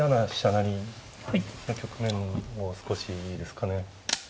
成の局面を少しいいですかね。